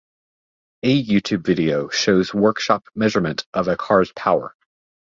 A YouTube video shows workshop measurement of a car's power.